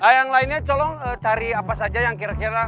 yang lainnya tolong cari apa saja yang kira kira